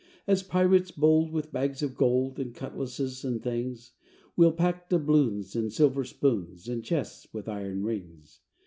As pirates bold with bags of gold And cutlasses and things, We'll pack doubloons and silver spoons In chests with iron rings.